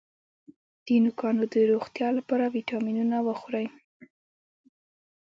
د نوکانو د روغتیا لپاره ویټامینونه وخورئ